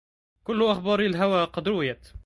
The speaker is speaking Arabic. كل أخبار الهوى قد رويت